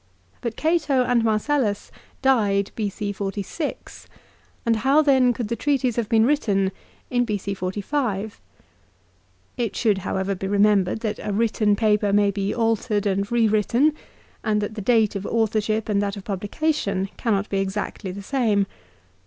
But Cato and Marcellus died B.C. 46, and how then could the treatise have been written in B.C. 45 ? It should, however, be remembered that a written paper may be altered and re written, and that the date of authorship and that of publica tion cannot be exactly the same.